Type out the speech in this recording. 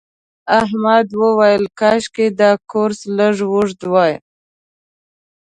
احمد وویل کاشکې دا کورس لږ اوږد وای.